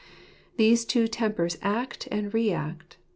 These two tempers act and re act.